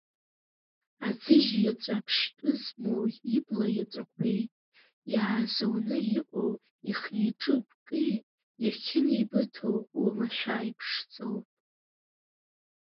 Аӡыжь иаҵәа аԥштәы змоу ибла иаҵәақәеи иаазоуны иҟоу ихиҿы гәки иахьынеибыҭоу уамашәа иԥшӡоуп.